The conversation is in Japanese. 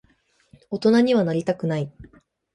大人にはなりたくない。